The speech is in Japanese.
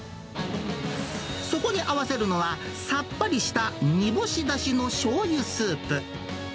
そこに合わせるのは、さっぱりした煮干しだしのしょうゆスープ。